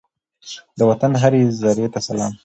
د وطن هرې زرې ته سلام!